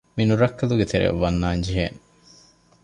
މި ނުރައްކަލުގެ ތެރެއަށް ވަންނާން ޖެހޭނެ